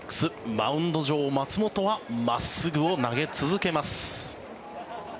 マウンド上、松本は真っすぐを投げ続けます。